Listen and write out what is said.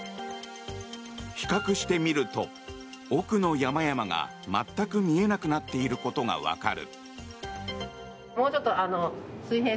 比較してみると奥の山々が全く見えなくなっていることがわかる。